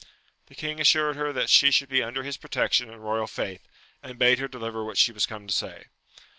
The king assured her that she should be under his protection and royal faith, and bade her deliver what she was come to say.